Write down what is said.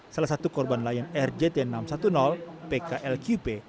salah satu korban lion air jt enam ratus sepuluh pklqp